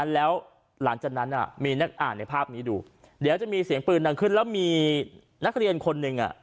แล้วหลังจากนั้นมีนักอ่านในภาพนี้ดูเดี๋ยวจะมีเสียงปืนดังขึ้นแล้วมีนักเรียนคนหนึ่ง